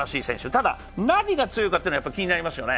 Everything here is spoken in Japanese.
ただ何が強いかというのは気になりますよね。